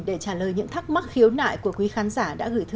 để trả lời những thắc mắc khiếu nại của quý khán giả